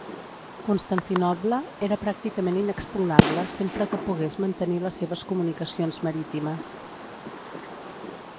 Constantinoble era pràcticament inexpugnable sempre que pogués mantenir les seves comunicacions marítimes.